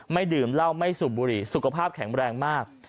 ดื่มเหล้าไม่สูบบุหรี่สุขภาพแข็งแรงมาก